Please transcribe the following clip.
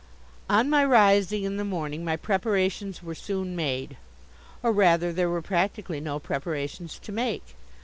On my rising in the morning my preparations were soon made; or, rather, there were practically no preparations to make.